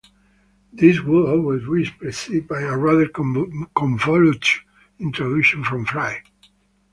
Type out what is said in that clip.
This would always be preceded by a rather convoluted introduction from Fry.